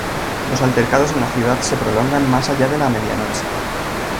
Los altercados en la ciudad se prolongan más allá de la medianoche.